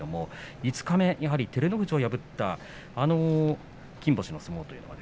五日目、照ノ富士を破ったあの金星の相撲。